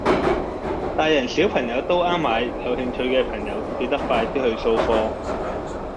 大人小朋友都啱買，有興趣嘅朋友記得快啲去掃貨